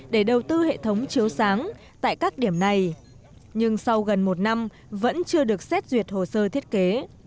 để đầu tư hệ thống chiếu sáng tại các điểm này nhưng sau gần một năm vẫn chưa được xét duyệt hồ sơ thiết kế